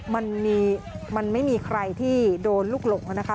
มันไม่มีใครที่โดนลูกหลงนะคะ